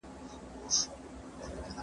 موږ بايد هېڅکله ونه درېږو.